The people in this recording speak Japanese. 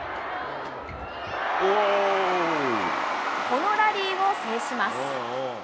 このラリーを制します。